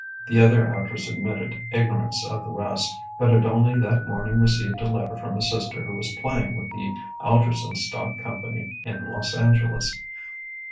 The other actress admitted ignorance of the West, but had only that morning received a letter from a sister who was playing with the Algerson stock company in Los Angeles.